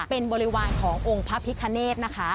เป็นบริวารขององค์พระพิคเนธนะคะ